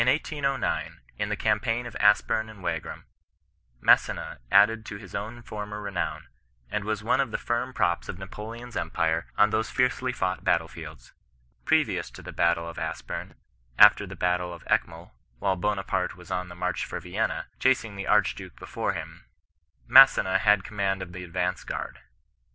"In 1809, in the campaign of Aspem and Wagram: Massena added to his former renown, and was one of the firm props of Napoleon's empire on those fiercely fought battle fields. Previous to the battle of Aspem, after the battle of Eckmuhl, while Bonaparte was on the march for Vienna, chasing the Archduke before him, Masseaa had command of the advance guard.